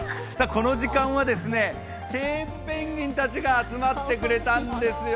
この時間はケープペンギンたちが集まってくれたんですよ。